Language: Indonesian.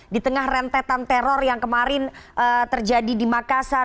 di tengah rentetan teror yang kemarin terjadi di makassar